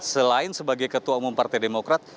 selain sebagai ketua umum partai demokrat